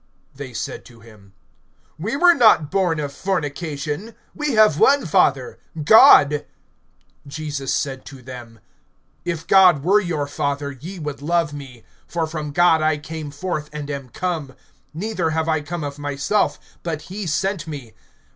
They said to him: We were not born of fornication; we have one father, God. (42)Jesus said to them: If God were your father, ye would love me; for from God I came forth, and am come; neither have I come of myself, but he sent me.